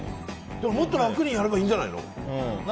もっと楽にやればいいんじゃないの？